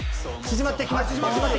縮まっていきます。